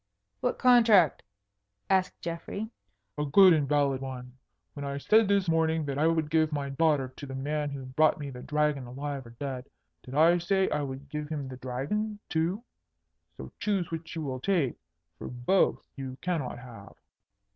"What contract?" asked Geoffrey. "A good and valid one. When I said this morning that I would give my daughter to the man who brought me the Dragon alive or dead, did I say I would give him the Dragon too? So choose which you will take, for both you cannot have."